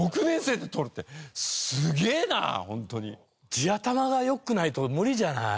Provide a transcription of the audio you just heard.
地頭が良くないと無理じゃない？